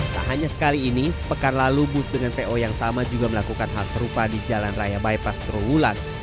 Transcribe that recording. tak hanya sekali ini sepekan lalu bus dengan po yang sama juga melakukan hal serupa di jalan raya bypass trawulan